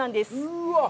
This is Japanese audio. うわっ！